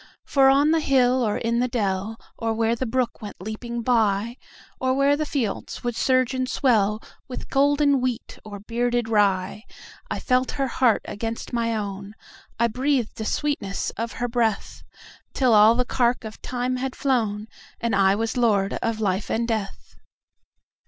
For on the hill or in the dell, Or where the brook went leaping byOr where the fields would surge and swellWith golden wheat or bearded rye,I felt her heart against my own,I breathed the sweetness of her breath, Till all the cark of time had flown, And I was lord of life and death.